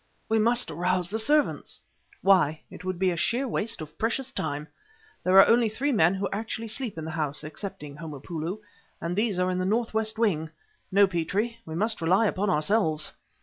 "We must arouse the servants!" "Why? It would be sheer waste of priceless time. There are only three men who actually sleep in the house (excepting Homopoulo) and these are in the northwest wing. No, Petrie; we must rely upon ourselves."